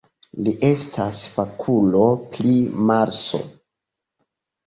Li estas fakulo pri Marso.